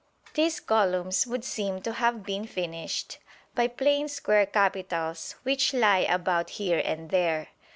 These columns would seem to have been finished by plain square capitals which lie about here and there.